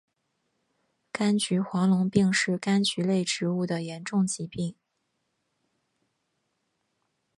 柑橘黄龙病是柑橘类植物的严重疾病。